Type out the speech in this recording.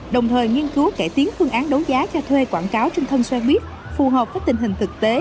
đồng thời nghiên cứu cải tiến phương án đấu giá cho thuê quảng cáo trên thân xe buýt phù hợp với tình hình thực tế